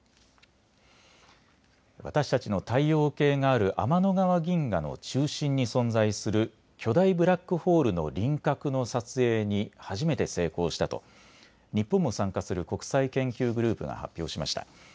私たちの太陽系がある天の川銀河の中心に存在する巨大ブラックホールの輪郭の撮影に初めて成功したと日本も参加する国際研究グループが発表しました。